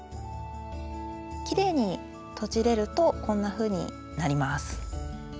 きれいにとじれるとこんなふうになります。